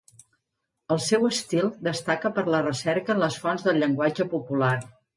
El seu estil destaca per la recerca en les fonts del llenguatge popular.